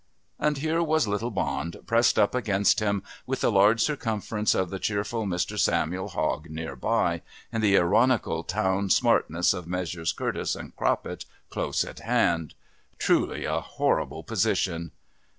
And here was little Bond pressed up against him, with the large circumference of the cheerful Mr. Samuel Hogg near by, and the ironical town smartness of Messrs. Curtis and Croppet close at hand. Truly a horrible position.